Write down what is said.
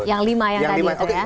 yang lima yang tadi itu ya